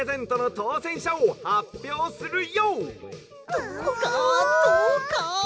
どうかどうか。